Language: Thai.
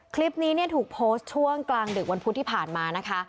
คลิปนี้เนี่ยถูกโพสต์ช่วงกลางดึกวันพุธที่ผ่านมานะคะ